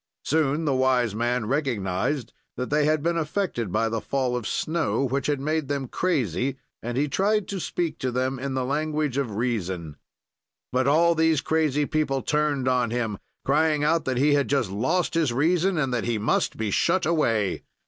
"Soon the wise man recognized that they had been affected by the fall of snow, which had made them crazy, and he tried to speak to them in the language of reason. "But all these crazy people turned on him, crying out that he had just lost his reason and that he must be shut away.